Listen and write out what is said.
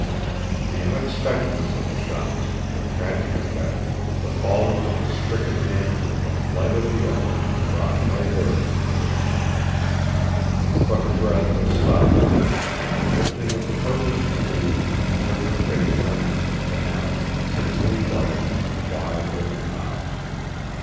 The unexpectedness of the shots, their tragic effect, the falling of the stricken man and the flight of the other, brought no word from Mary Standish. But her breath was sobbing, and in the lifting of the purplish gloom she turned her face for an instant to Alan, tensely white, with wide open eyes.